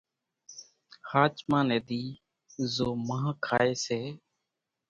ۿاچمان ني ۮي زو مانۿ کائي سي